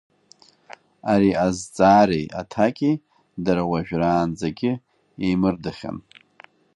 Ари азҵаареи аҭаки дара уажәраанӡагьы еимырдахьан.